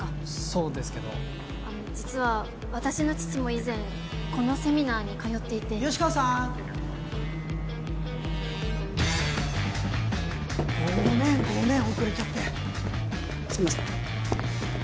そうですけどあの実は私の父も以前このセミナーに通っていて吉川さーんごめんごめん遅れちゃってすいません